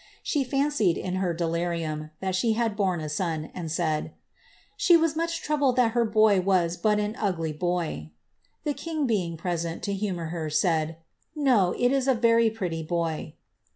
She fancied, in her delirium, that she had borne a son, and said, ^* she was much troubled that her boy was but an ugly boy." The king, being present, to humour her, said, " No, it is a very pretty boy."